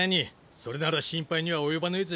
それなら心配には及ばねえぜ。